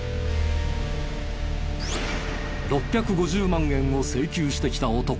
６５０万円を請求してきた男。